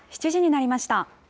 ７時になりました。